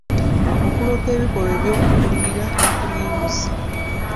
Okuloopa ebikolwa by'okugulirira n'okulya enguzi.